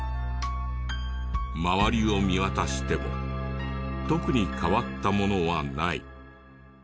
周りを見渡しても特に変わったものはない。